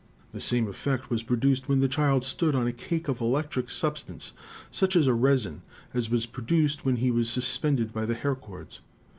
The same effect was produced when the child stood on a cake of an 'electric' substance, such as resin, as was produced when he was suspended by the hair cords.